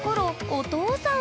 お父さん。